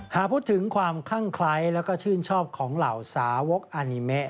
หากพูดถึงความคั่งไคร้แล้วก็ชื่นชอบของเหล่าสาวกอานิเมะ